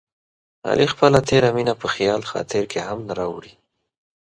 علي خپله تېره مینه په خیال خاطر کې هم نه راوړي.